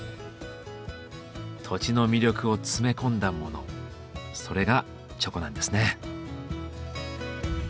土地の魅力を詰め込んだものそれがチョコなんですね。